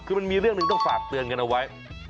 คือมันมีเรื่องหนึ่งต้องฝากเตือนกันเอาไว้